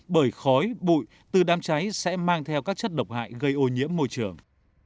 bởi khói bụi từ đám cháy sẽ mang theo các chất độc hại gây ô nhiễm môi trường